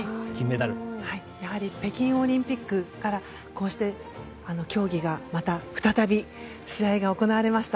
北京オリンピックからこうして競技がまた再び試合が行われました。